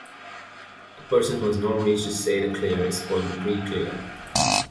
A person who has not reached a state of Clear is called a pre-clear.